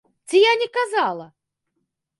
Ці я не казала!